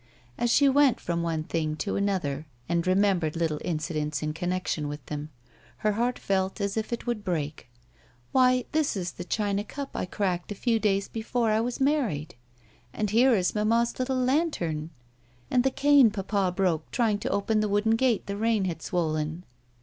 As she went from one thing to another, and remembered little incidents in connection with them, her heart felt as if it would break. —" Why, this is the china cup I cracked a few days before I was married, and here is mamma's little lantern, and the cane papa broke trying to open the wooden gate the rain had swollen."